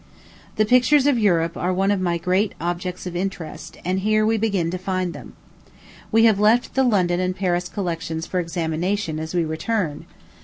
The pictures of Europe are one of my great objects of interest, and here we begin to find them. We have left the London and Paris collections for examination as we return.